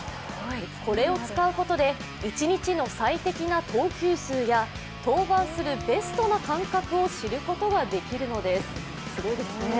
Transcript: これを使うことで一日の最適な投球数や登板するベストな間隔を知ることができるのです。